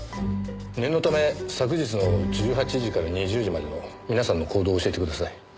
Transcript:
念のため昨日の１８時から２０時までの皆さんの行動を教えてください。